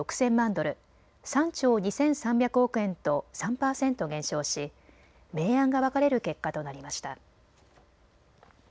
ドル、３兆２３００億円と３％減少し明暗が分かれる結果となりました。